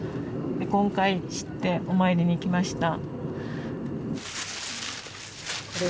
今回知ってお参りに来ました。